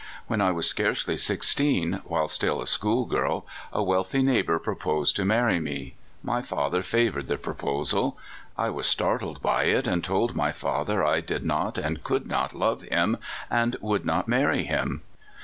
When I was scarcely sixteen, wdiile still a school girl, a wealthy neighbor proposed to marry me. My father favored the proposal. I was startled by it, and told my father I did not and could not love him, and would ^ not marry him.